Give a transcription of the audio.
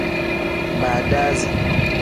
Bodasi.